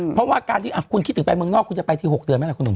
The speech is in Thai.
เพราะว่าการที่คุณคิดถึงไปเมืองนอกคุณจะไปที๖เดือนไหมล่ะคุณหนุ่ม